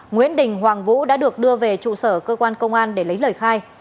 nguyễn đình hoàng vũ đã được đưa về trụ sở cơ quan công an để lấy lời khai